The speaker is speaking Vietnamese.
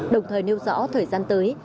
đồng thời nêu rõ thời gian tới